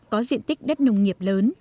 có diện tích đất nông nghiệp lớn